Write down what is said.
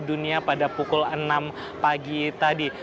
dunia pada pukul enam pagi tadi